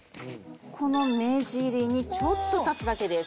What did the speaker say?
この目尻にちょっと足すだけです。